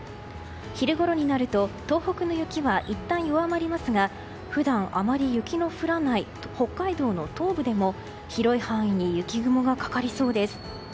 昼ごろになると東北の雪はいったん弱まりますが普段あまり雪の降らない北海道の東部でも広い範囲に雪雲がかかりそうです。